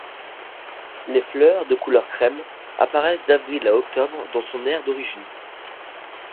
Les fleurs de couleur crème apparaissent d'avril à octobre dans son aire d'origine.